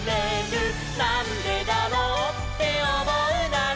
「なんでだろうっておもうなら」